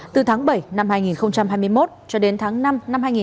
từ tháng bảy năm hai nghìn hai mươi một cho đến tháng năm năm hai nghìn hai mươi ba